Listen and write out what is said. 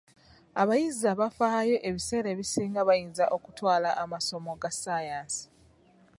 Abayizi abafaayo ebiseera ebisinga bayinza okutwala amasomo ga ssaayansi.